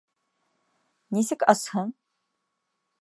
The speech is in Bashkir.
Нисек асһын?